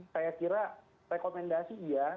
saya kira rekomendasi iya